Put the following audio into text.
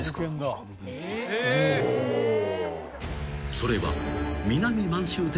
［それは］